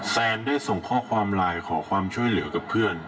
แซนได้ส่งข้อความไลน์ขอความช่วยเหลือกับเพื่อน